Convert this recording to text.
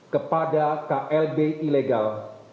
kepada klb ilegal